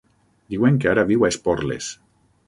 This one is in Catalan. Diuen que ara viu a Esporles.